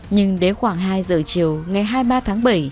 nhưng đến khoảng hai giờ chiều ngày hai mươi ba tháng bảy